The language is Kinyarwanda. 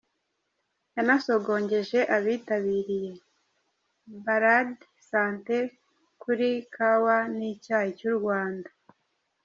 Yanasogongeje abitabiriye ‘‘Balade Santé’’ kuri Kawa n’icyayi cy’u Rwanda.